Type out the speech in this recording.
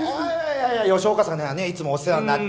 いやいや吉岡さんにはねいつもお世話になって。